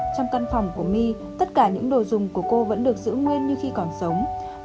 trong căn phòng của my tất cả những đồ dùng của cô vẫn được giữ nguyên như khi còn sống